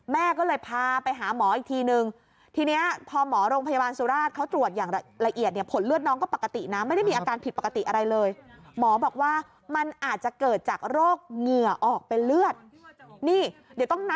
แม่ก็เลยพาไปหาหมออีกทีหนึ่ง